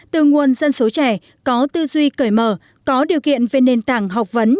từ nguồn dân số trẻ có tư duy cởi mở có điều kiện về nền tảng học vấn